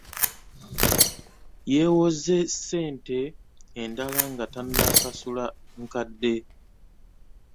Yeewoze ssente endala nga tannasasula nkadde.